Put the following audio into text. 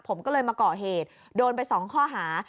ผมก็เลยมาก่อเหตุโดนไป๒ข้อหา